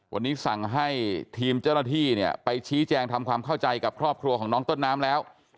วันนี้สั่งให้ทีมเจ้าหน้าที่เนี่ยไปชี้แจงทำความเข้าใจกับครอบครัวของน้องต้นน้ำแล้ว